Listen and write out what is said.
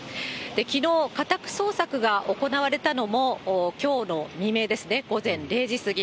きのう、家宅捜索が行われたのも、きょうの未明ですね、午前０時過ぎ。